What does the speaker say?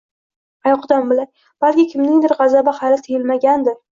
Qayoqdan bilay, balki, kimningdir g‘azabi hali tiyilmagandir…